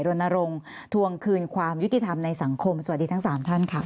รณรงค์ทวงคืนความยุติธรรมในสังคมสวัสดีทั้ง๓ท่านค่ะ